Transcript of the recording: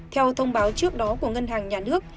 theo thông báo trước đó của ngân hàng nhà nước